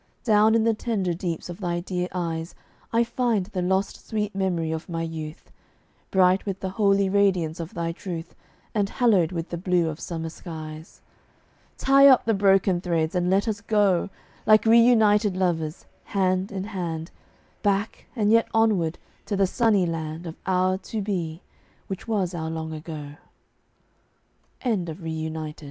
Down in the tender deeps of thy dear eyes I find the lost sweet memory of my youth, Bright with the holy radiance of thy truth, And hallowed with the blue of summer skies. Tie up the broken threads and let us go, Like reunited lovers, hand in hand, Back, and yet onward, to the sunny land Of our To Be, which was our Long Ago. WHAT SHALL WE D